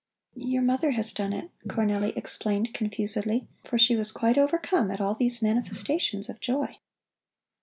"Your mother has done it," Cornelli explained confusedly, for she was quite overcome at all these manifestations of joy.